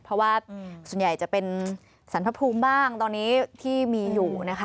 เพราะว่าส่วนใหญ่จะเป็นสรรพภูมิบ้างตอนนี้ที่มีอยู่นะคะ